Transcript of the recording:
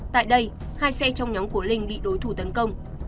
tại đây hai xe trong nhóm của linh bị đối thủ tấn công